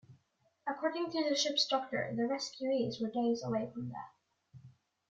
According to the ship's doctor, the rescuees were days away from death.